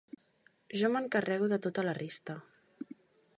Jo m'encarrego de tota la resta.